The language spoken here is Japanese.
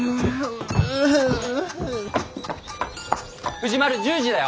藤丸１０時だよ！